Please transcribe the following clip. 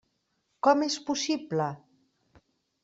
Com és possible?